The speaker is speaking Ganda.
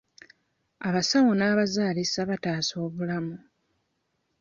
Abasawo n'abazaalisa bataasa obulamu.